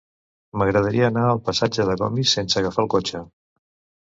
M'agradaria anar al passatge de Gomis sense agafar el cotxe.